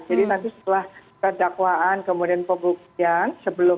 jadi nanti setelah perdakwaan kemudian pembukaan